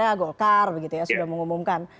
ya golkar begitu ya sudah mengumumkan